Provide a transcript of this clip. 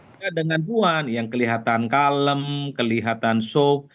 kita dengan tuhan yang kelihatan kalem kelihatan sok